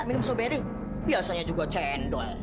memikir stroberi biasanya juga cendol